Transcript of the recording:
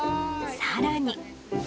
さらに。